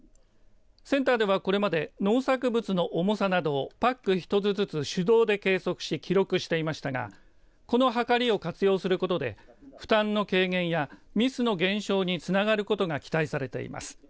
センターではこれまで農作物の重さなどをパック１つずつ手動で計測して記録していましたがこのはかりを活用することで負担の軽減やミスの減少につながることが期待されています。